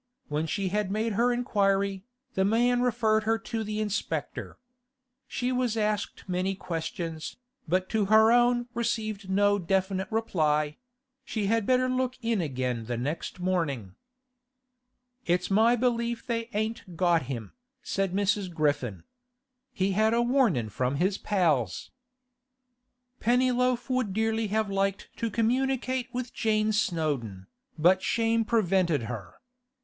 When she had made her inquiry, the man referred her to the inspector. She was asked many questions, but to her own received no definite reply; she had better look in again the next morning. 'It's my belief they ain't got him,' said Mrs. Griffin. 'He's had a warnin' from his pals.' Pennyloaf would dearly have liked to communicate with Jane Snowdon, but shame prevented her.